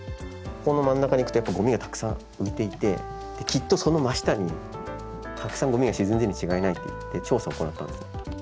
ここの真ん中に行くとやっぱごみがたくさん浮いていてきっとその真下にたくさんごみが沈んでいるに違いないっていって調査を行ったんですよ。